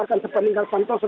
dari keterangan pak jokowi